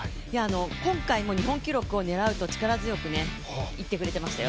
今回も日本記録を狙うと力強く言ってくれてましたよ。